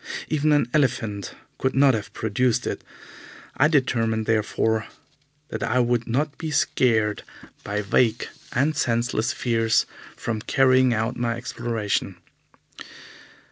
Even an elephant could not have produced it. I determined, therefore, that I would not be scared by vague and senseless fears from carrying out my exploration.